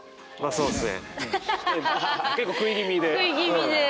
そうですね。